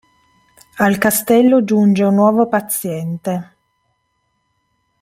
Al castello giunge un nuovo paziente.